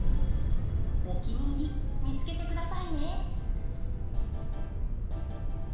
お気に入り見つけてくださいね。